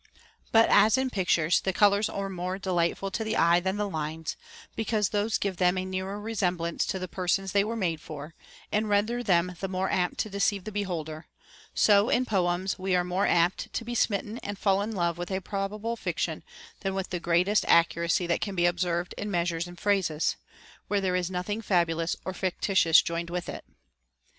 But as in pictures the colors are more delightful to the eye than the lines, because those give them a nearer resemblance to the persons they were made for, and render them the more apt to deceive the beholder ; so in poems we are more apt to be smitten and fall in love with a probable fiction than with the great est accuracy that can be observed in measures and phrases, where there is nothing fabulous or fictitious joined with it.